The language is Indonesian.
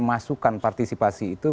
masukan partisipasi itu